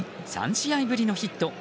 ３試合ぶりのヒット。